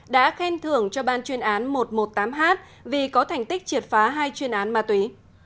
đã khen thưởng cho ban chuyên án một trăm một mươi tám h vì có thành tích triệt phá hai chuyên án ma túy